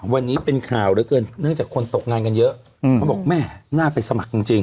วันนี้เป็นข่าวเหลือเกินเนื่องจากคนตกงานกันเยอะเขาบอกแม่น่าไปสมัครจริงจริง